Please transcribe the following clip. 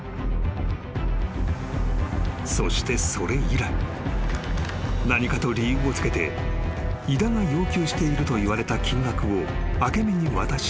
［そしてそれ以来何かと理由をつけて井田が要求していると言われた金額を明美に渡し続け］